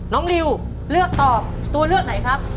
ริวเลือกตอบตัวเลือกไหนครับ